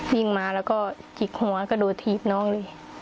วิ่งมาแล้วก็จิกหัวกระโดดถีบน้องเลย